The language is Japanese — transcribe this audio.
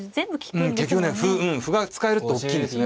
うん結局ね歩が使えるって大きいんですね。